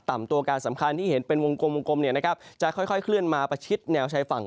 ตัวการสำคัญที่เห็นเป็นวงกลมวงกลมจะค่อยเคลื่อนมาประชิดแนวชายฝั่ง